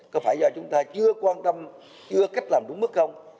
có phải do chúng ta chưa quan tâm chưa cách làm đúng mức không